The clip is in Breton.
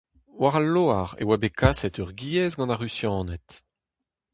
War al loar e oa bet kaset ur giez gant ar Rusianed.